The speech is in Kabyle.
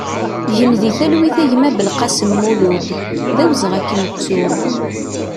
Gen di talwit a gma Belkalem Mulud, d awezɣi ad k-nettu!